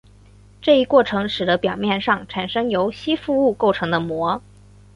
这一过程使得表面上产生由吸附物构成的膜。